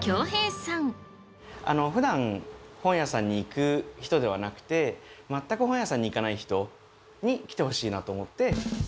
ふだん本屋さんに行く人ではなくて全く本屋さんに行かない人に来てほしいなと思って。